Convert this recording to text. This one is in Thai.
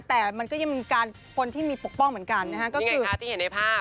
แต่มันก็ยังมีการคนที่มีปกป้องเหมือนกันนะฮะก็คือที่เห็นในภาพ